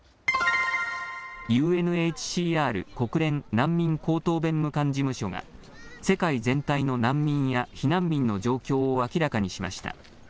ＵＮＨＣＲ・国連難民高等弁務官事務所が世界全体の難民や避難民の状況を明らかにしました。